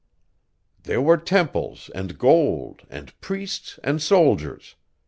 "There were temples and gold and priests and soldiers.